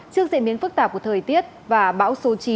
trước diễn biến phức tạp của thời tiết và bão số chín